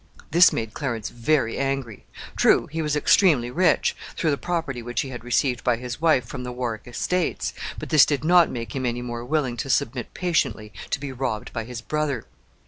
This made Clarence very angry. True, he was extremely rich, through the property which he had received by his wife from the Warwick estates, but this did not make him any more willing to submit patiently to be robbed by his brother.